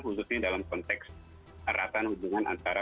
khususnya dalam konteks eratan hubungan antara